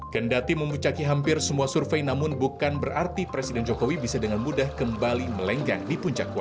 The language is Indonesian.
kendati memucaki hampir semua survei namun bukan berarti presiden jokowi bisa dengan mudah kembali melenggang di puncak kuasa